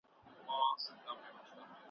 خوږېدل یې سرتر نوکه ټول هډونه ,